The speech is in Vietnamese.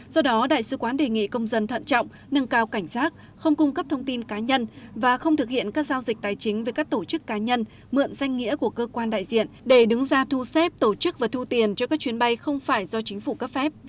do đó đại sứ quán đề nghị công dân thận trọng nâng cao cảnh giác không cung cấp thông tin cá nhân và không thực hiện các giao dịch tài chính với các tổ chức cá nhân mượn danh nghĩa của cơ quan đại diện để đứng ra thu xếp tổ chức và thu tiền cho các chuyến bay không phải do chính phủ cấp phép